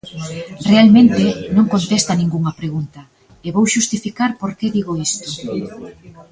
Realmente, non contesta ningunha pregunta, e vou xustificar por que digo isto.